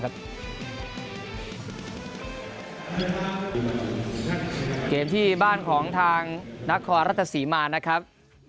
เกมที่บ้านของทางนครรัฐศรีมานะครับ